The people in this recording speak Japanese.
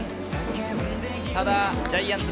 ただジャイアンツ